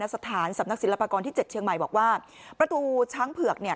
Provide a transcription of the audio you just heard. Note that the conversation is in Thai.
สถานสำนักศิลปากรที่๗เชียงใหม่บอกว่าประตูช้างเผือกเนี่ย